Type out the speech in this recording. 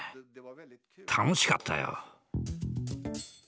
楽しかったよ。